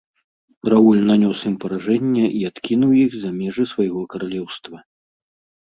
Рауль нанёс ім паражэнне і адкінуў іх за межы свайго каралеўства.